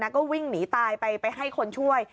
ก็วิ่งหนีตายไปให้คนช่วย